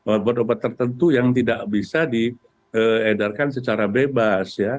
obat obat tertentu yang tidak bisa diedarkan secara bebas ya